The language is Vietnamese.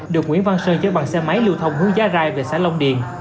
được nguyễn văn sơn chở bằng xe máy lưu thông hướng giá rai về xã long điền